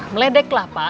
meledek lah pak